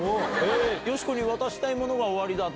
よしこに渡したいものがおありだと。